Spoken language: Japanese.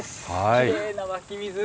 きれいな湧き水。